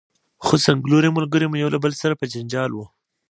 خو څنګلوري ملګري مو یو له بل سره په جنجال وو.